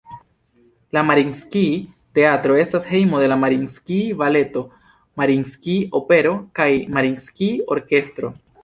La Mariinskij-Teatro estas hejmo de la Mariinskij-Baleto, Mariinskij-Opero kaj Mariinskij-Orkestro.